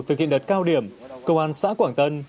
thực hiện đợt cao điểm công an xã quảng tân